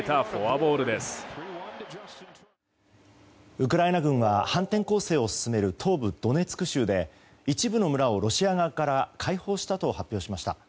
ウクライナ軍は反転攻勢を進める東部ドネツク州で一部の村をロシア側から解放したと発表しました。